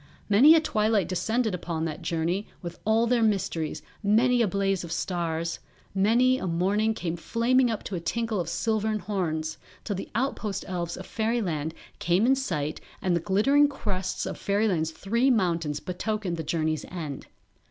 Many a twilight descended upon that journey with all their mysteries, many a blaze of stars; many a morning came flaming up to a tinkle of silvern horns; till the outpost elves of Fairyland came in sight and the glittering crests of Fairyland's three mountains betokened the journey's end.